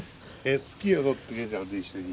月を撮ってくれたんだよ一緒に。